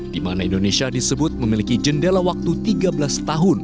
di mana indonesia disebut memiliki jendela waktu tiga belas tahun